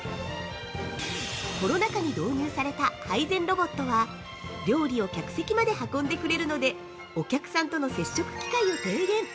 コロナ禍に導入された「配膳ロボット」は料理を客席まで運んでくれるので、お客さんとの接触機会を低減。